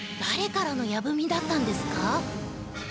だれからの矢文だったんですか？